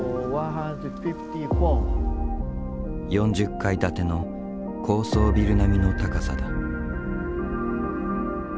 ４０階建ての高層ビル並みの高さだ。